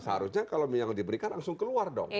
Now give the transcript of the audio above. seharusnya kalau yang diberikan langsung keluar dong